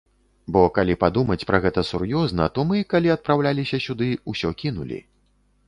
Бо калі падумаць пра гэта сур'ёзна, то мы, калі адпраўляліся сюды, усё кінулі.